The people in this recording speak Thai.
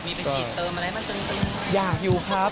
มีไปฉีดเติมอะไรบ้างอยากอยู่ครับ